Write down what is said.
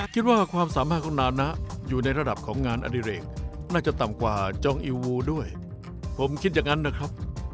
คิดว่าความสามารถของนานะอยู่ในระดับของงานอดิเรกน่าจะต่ำกว่าจองอิลวูด้วยผมคิดอย่างนั้นนะครับ